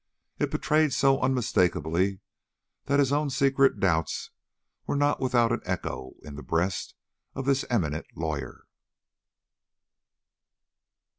It betrayed so unmistakably that his own secret doubts were not without an echo in the breast of this eminent lawyer.